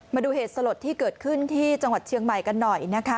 มาดูเหตุสลดที่เกิดขึ้นที่จังหวัดเชียงใหม่กันหน่อยนะคะ